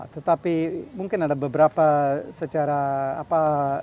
tetapi mungkin ada beberapa secara apa